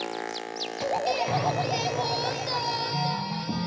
やってもうた！